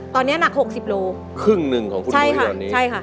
ตอนเนี้ยหนัก๖๐โลครึ่งหนึ่งของคุณนุ้ยตอนนี้ใช่ค่ะใช่ค่ะ